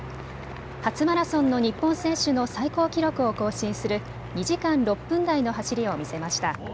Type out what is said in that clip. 初マラソンの日本選手の最高記録を更新する２時間６分台の走りを見せました。